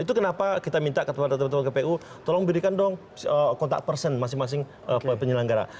itu kenapa kita minta kepada teman teman kpu tolong berikan dong kontak person masing masing penyelenggara